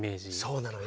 そうなの。